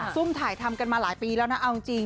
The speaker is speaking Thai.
ุ่มถ่ายทำกันมาหลายปีแล้วนะเอาจริง